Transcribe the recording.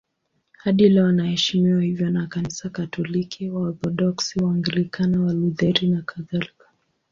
Hadi leo anaheshimiwa hivyo na Kanisa Katoliki, Waorthodoksi, Waanglikana, Walutheri nakadhalika.